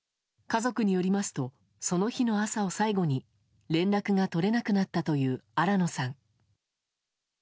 家族によりますとその日の朝を最後に連絡が取れなくなったという新野さん。